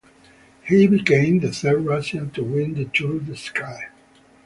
He became the third Russian to win the Tour de Ski.